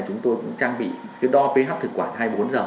chúng tôi cũng trang bị cái đo ph thực quản hai mươi bốn h